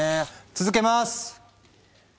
続けます。